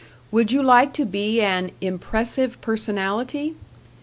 Would you like to be an Impressive Personality?